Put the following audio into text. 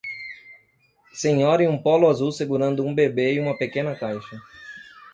Senhora em um polo azul segurando um bebê e uma pequena caixa.